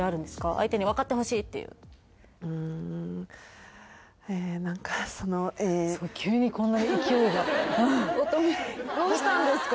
相手に分かってほしいっていう急にこんな勢いがどうしたんですか？